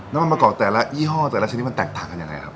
น้ำมันมะกอกแต่ละยี่ห้อแต่ละชนิดมันแตกต่างกันยังไงครับ